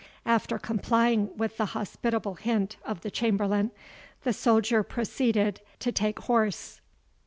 After complying with the hospitable hint of the chamberlain, the soldier proceeded to take horse.